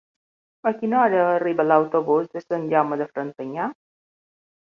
A quina hora arriba l'autobús de Sant Jaume de Frontanyà?